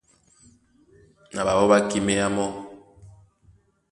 Na ɓaɓɔ́ ɓá kíméá mɔ́.